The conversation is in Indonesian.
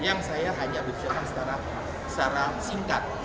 yang saya hanya bicara secara singkat